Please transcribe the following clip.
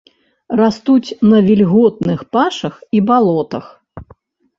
Растуць на вільготных пашах і балотах.